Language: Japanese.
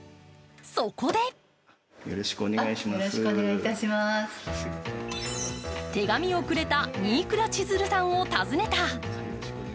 そこで手紙をくれた新倉ちづるさんを訪ねた。